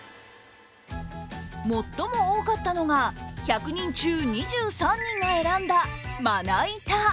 最も多かったのが１００人中２３人が選んだまな板。